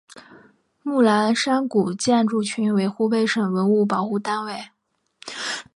木兰山古建筑群为湖北省文物保护单位。